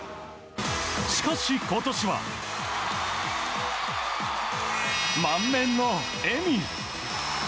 しかし、今年は満面の笑み。